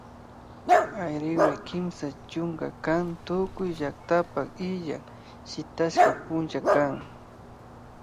Ayriwa Kimsa chunka kan tukuy llaktapak illak shitashka punlla kan